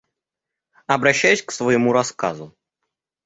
Обращаюсь к своему рассказу.